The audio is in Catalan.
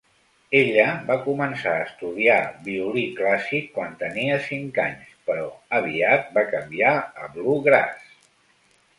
Ella va començar a estudiar violí clàssic quan tenia cinc anys però aviat va canviar a bluegrass.